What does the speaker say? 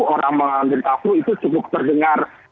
orang mengerita flu itu cukup terdengar